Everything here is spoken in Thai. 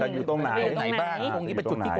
อยู่ตรงไหนบ้าง